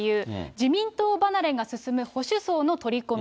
自民党離れが進む保守層の取り込み。